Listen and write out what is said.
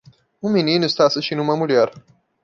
Um menino está assistindo uma mulher.